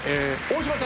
大島）